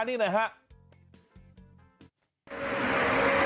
ขอบคุณครับ